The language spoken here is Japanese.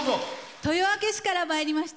豊明市からまいりました